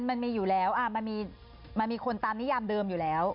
มันมีอยู่แล้วมันมีคนตามนิยามเดิมอยู่แล้ว